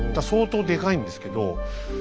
相当でかいんですけど。